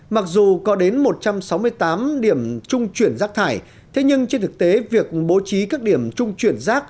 mặc dù có đến một trăm sáu mươi tám điểm trung chuyển rác thải thế nhưng trên thực tế việc bố trí các điểm trung chuyển rác